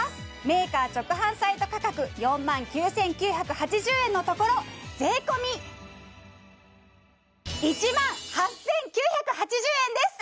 メーカー直販サイト価格４万９９８０円のところ税込１万８９８０円です！